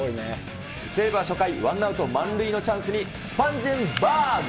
西武は初回、ワンアウト満塁のチャンスに、スパンジェンバーグ。